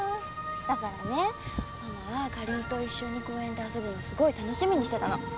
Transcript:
だからねママはかりんと一緒に公園で遊ぶのすごい楽しみにしてたの。